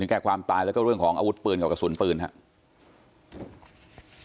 แก้ความตายแล้วก็เรื่องของอาวุธปืนกับกระสุนปืนครับ